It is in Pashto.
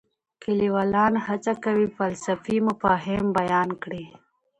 لیکوالان هڅه کوي فلسفي مفاهیم بیان کړي.